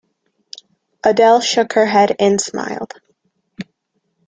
Adele shook her head and smiled.